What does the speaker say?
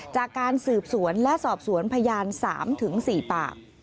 จากการสืบสวนและสอบสวนพยาน๓๔ปาก